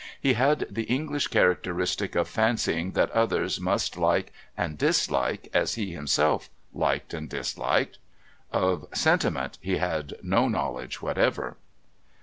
He had the English characteristic of fancying that others must like and dislike as he himself liked and disliked. Of sentiment he had no knowledge whatever.